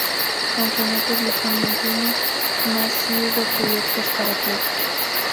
Aunque no publicó ninguno más sí hubo proyectos para otros.